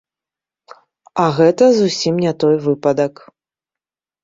А гэта зусім не той выпадак.